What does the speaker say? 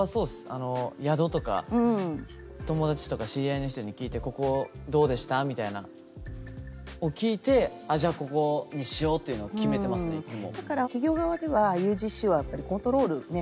あの宿とか友達とか知り合いの人に聞いて「ここどうでした？」みたいなんを聞いてあっじゃここにしようというのを決めてますねいつも。